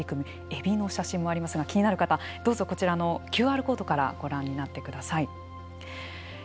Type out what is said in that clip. えびの写真もありますが気になる方どうぞこちらのＱＲコードからご覧になってください。